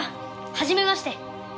はじめまして！